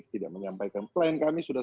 tidak menyampaikan klien kami sudah